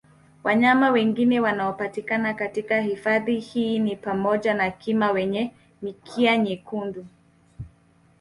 Wanyama wengine wanaopatikana katika hifadhi hii ni pamoja na Kima wenye mikia myekundu